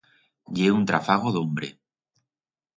Ye un trafago d'hombre.